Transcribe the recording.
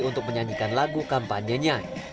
untuk menyanyikan lagu kampanye yang berjudul kp setulur kpm